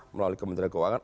melalui kementerian keuangan